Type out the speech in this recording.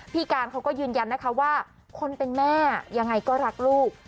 พี่การเขาก็ยืนยันนะคะว่าคนเป็นแม่ยังไงก็รักลูก